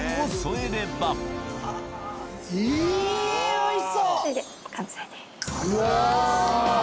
・・おいしそう！